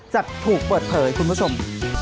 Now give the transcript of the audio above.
จะถูกเปิดเผยคุณผู้ชม